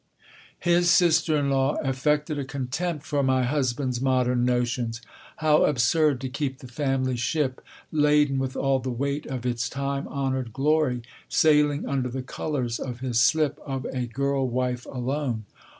His sister in law affected a contempt for my husband's modern notions. How absurd to keep the family ship, laden with all the weight of its time honoured glory, sailing under the colours of his slip of a girl wife alone!